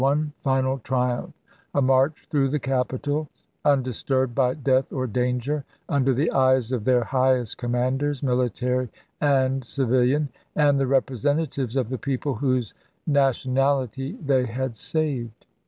one final triumph, a march through the capital, undisturbed by death or danger, under the eyes of their highest commanders, military and civilian, and the representatives of the people whose nation ality they had saved.